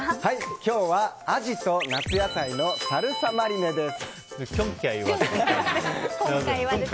今日はアジと夏野菜のサルサマリネです。